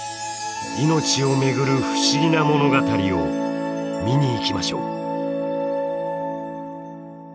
命を巡る不思議な物語を見に行きましょう。